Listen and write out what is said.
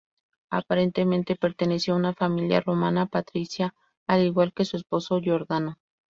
Aparentemente perteneció a una familia romana patricia, al igual que su esposo Giordano.